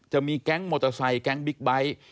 จะมีแก๊งมอเตอร์ไซค์แก๊งบิ๊กไบท์